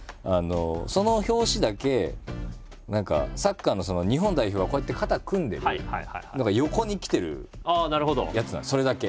その表紙だけ何かサッカーの日本代表がこうやって肩組んでるのが横に来てるやつなんですそれだけ。